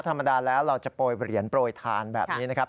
ธรรมดาแล้วเราจะโปรยเหรียญโปรยทานแบบนี้นะครับ